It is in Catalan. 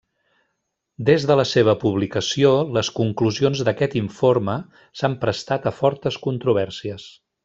Des de la seva publicació, les conclusions d'aquest informe s'han prestat a fortes controvèrsies.